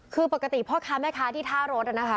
คือปกติพ่อค้าแม่ค้าที่ท่ารถนะคะ